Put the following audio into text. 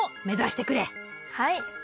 はい！